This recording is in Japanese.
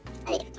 はい。